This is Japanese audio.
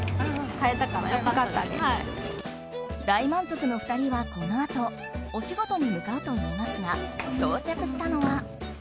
大満足の２人は、このあとお仕事に向かうといいますが到着したのは。